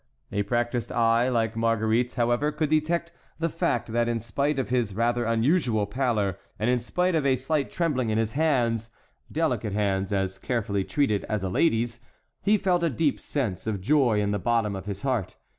A practised eye like Marguerite's, however, could detect the fact that in spite of his rather unusual pallor and in spite of a slight trembling in his hands—delicate hands, as carefully treated as a lady's—he felt a deep sense of joy in the bottom of his heart.